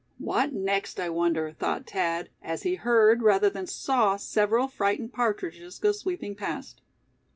"What next, I wonder?" thought Thad, as he heard, rather than saw, several frightened partridges go sweeping past.